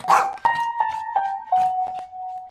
د لویې جرګي پايلي کله په رسنیو کي خپریږي؟